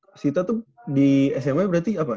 berarti sita tuh di sma berarti apa